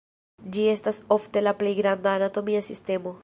Ĝi estas ofte la plej granda anatomia sistemo.